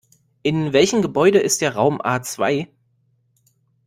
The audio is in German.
In welchem Gebäude ist der Raum A zwei?